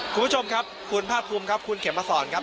คุณผู้ชมครับคุณภาคภูมิครับคุณเขมมาสอนครับ